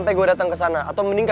kok serius banget kayaknya